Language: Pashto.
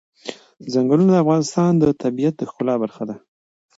ځنګلونه د افغانستان د طبیعت د ښکلا برخه ده.